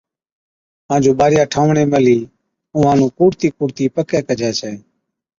ڪان جو ٻارِيان ٺاهوَڻي مهلِي اُونهان نُون ڪوٺتِي ڪُوٺتِي پڪَي ڪجَي ڇَي،